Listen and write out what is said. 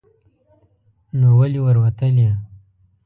نو ولې ور وتلې